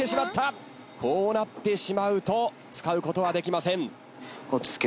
こうなってしまうと使うことはできません。